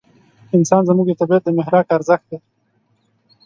انسان زموږ د طبعیت د محراق ارزښت دی.